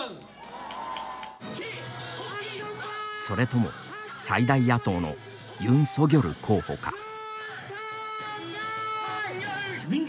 それとも、最大野党のユン・ソギョル候補か。